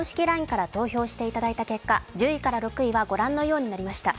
ＬＩＮＥから投票していただいた結果１０位から６位は御覧のようになりました。